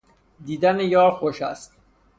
دیدن یار خوش است